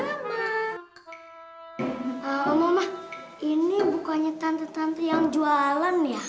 eee oma oma ini bukannya tante tante yang jualan ya